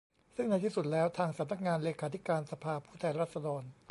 ซึ่งในที่สุดแล้วทางสำนักงานเลขาธิการสภาผู้แทนราษฎร